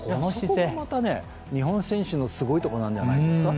そこがまた日本選手のすごいところなんじゃないですか。